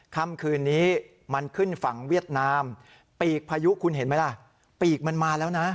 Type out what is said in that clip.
ค่ำคืนนี้มันขึ้นฝั่งเวียดนามปีกพายุคุณเห็นไหมล่ะปีกมันมาแล้วนะ